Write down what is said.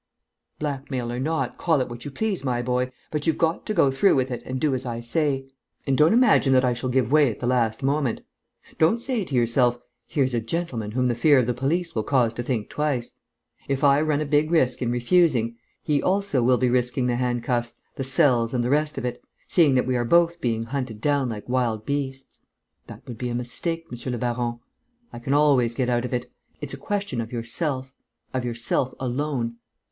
"Blackmail or not, call it what you please, my boy, but you've got to go through with it and do as I say. And don't imagine that I shall give way at the last moment. Don't say to yourself, 'Here's a gentleman whom the fear of the police will cause to think twice. If I run a big risk in refusing, he also will be risking the handcuffs, the cells and the rest of it, seeing that we are both being hunted down like wild beasts.' That would be a mistake, monsieur le baron. I can always get out of it. It's a question of yourself, of yourself alone....